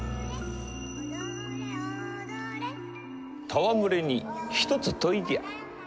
戯れに一つ問いじゃ。